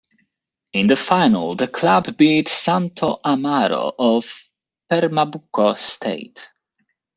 In the final, the club beat Santo Amaro of Pernambuco state.